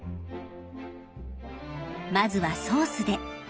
まずはソースで。